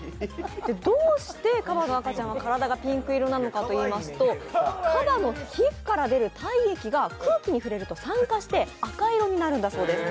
どうしてカバの赤ちゃんは体がピンク色なのかといいますとカバの皮膚から出る体液が空気に触れると酸化して赤色になるんだそうです。